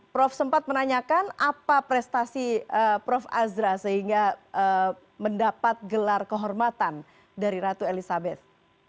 prof sempat menanyakan apa prestasi prof azra sehingga mendapat gelar kehormatan dari ratu elizabeth